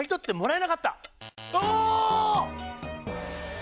え！